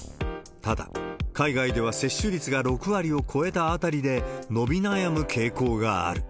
ただ、海外では接種率が６割を超えたあたりで伸び悩む傾向がある。